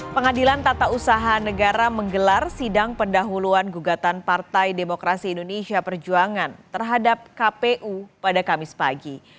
pengadilan tata usaha negara menggelar sidang pendahuluan gugatan partai demokrasi indonesia perjuangan terhadap kpu pada kamis pagi